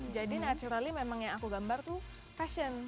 jadi naturally memang yang aku gambar tuh fashion